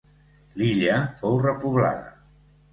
L'illa fou repoblada.